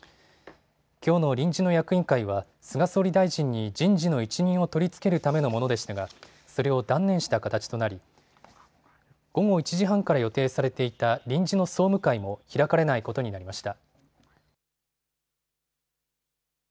きょうの臨時の役員会は菅総理大臣に人事の一任を取り付けるためのものでしたがそれを断念した形となり午後１時半から予定されていた臨時の総務会も開かれないことになりました。